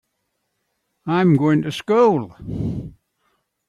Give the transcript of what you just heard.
I'm going to school.